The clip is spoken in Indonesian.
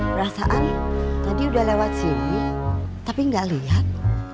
perasaan tadi udah lewat sini tapi gak liat